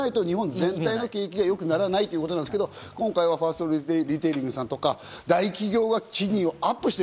そこに繋がらないと、日本全体の景気が良くならないということですが、今回はファーストリテイリングさんなど大企業が賃金アップしている。